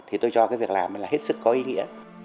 thì tôi cho cái việc làm là hết sức có ý nghĩa